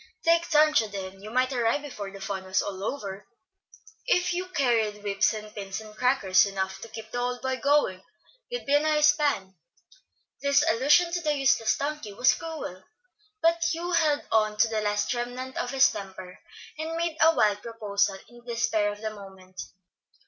"Take Sancho, then; you might arrive before the fun was all over, if you carried whips and pins and crackers enough to keep the old boy going; you'd be a nice span." This allusion to the useless donkey was cruel, but Hugh held on to the last remnant of his temper, and made a wild proposal in the despair of the moment.